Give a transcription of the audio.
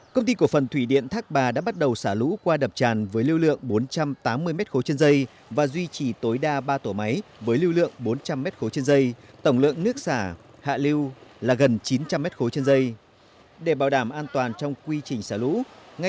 công ty cổ phần thủy điện thác bà đã bắt đầu xả lũ qua đập tràn với lưu lượng bốn trăm tám mươi m khối trên dây và duy trì tối đa ba tổ máy với lưu lượng bốn trăm linh m khối trên dây tổng lượng nước xả hạ lưu là gần chín trăm linh m khối trên dây